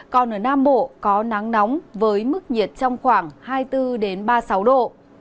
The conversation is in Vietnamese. còn ở nam bộ có nắng nóng với mức nhiệt trong khoảng hai mươi bốn ba mươi sáu độ